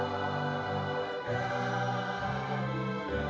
kata bu nekri